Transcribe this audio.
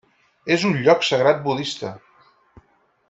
És un lloc sagrat budista.